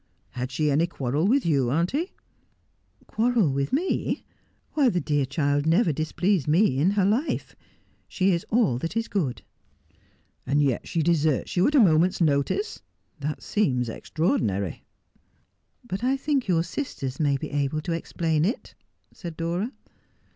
Had she any quarrel with you, auntie 1 ' 'Quarrel with me ! Whv, the dear child never displeased me in her life. She is all that is good.' 'And yet deserts you at a moment's notice. That seems extraordinary.' ' But I think your sisters may be able to explain it,' said Dora.